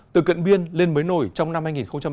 từ cận biên lên mới nổi trong năm hai nghìn hai mươi